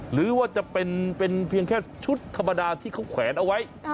หรือว่าจะเป็นเพียงแค่ชุดธรรมดาที่เขาแขวนเอาไว้